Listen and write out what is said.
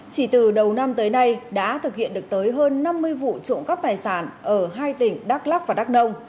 chỉ từ đầu năm tới nay đã thực hiện được tới hơn năm mươi vụ trộm cắp tài sản ở hai tỉnh đắk lắc và đắk nông